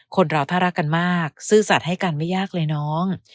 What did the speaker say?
คนเราถ้ารักกันมากซื่อสัตว์ให้กันไม่ยากเลยน้อง